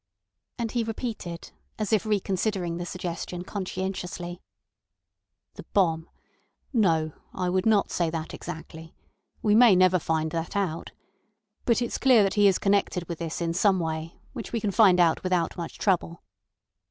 And he repeated, as if reconsidering the suggestion conscientiously: "The bomb. No, I would not say that exactly. We may never find that out. But it's clear that he is connected with this in some way, which we can find out without much trouble."